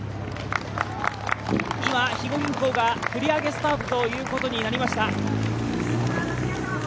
今肥後銀行が繰り上げスタートということになりました。